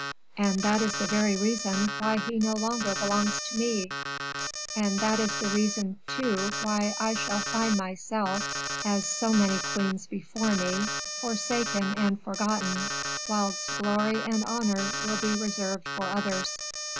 "And that is the very reason why he no longer belongs to me; and that is the reason, too, why I shall find myself, as so many queens before me, forsaken and forgotten, whilst glory and honors will be reserved for others.